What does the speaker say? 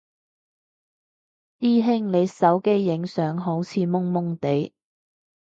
師兄你手機影相好似朦朦哋？